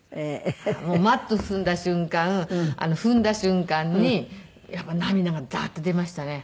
マット踏んだ瞬間踏んだ瞬間にやっぱり涙がダーッて出ましたね。